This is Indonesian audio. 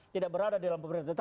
tidak berada dalam pemerintahan